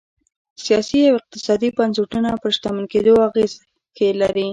سیاسي او اقتصادي بنسټونه پر شتمن کېدو اغېز لري.